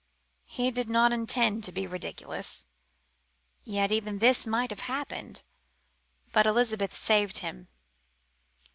He did not intend to be ridiculous; yet even this might have happened. But Elizabeth saved him.